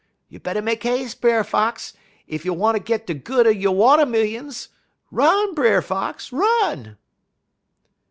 You better make 'a'se, Brer Fox, ef you wanter git de good er yo' watermillions. Run, Brer Fox! run!'